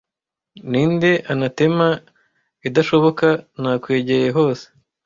ninde anathema idashoboka nakwegeye hose